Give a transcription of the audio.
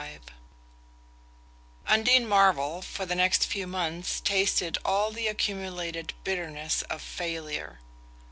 XXV Undine Marvell, for the next few months, tasted all the accumulated bitterness of failure.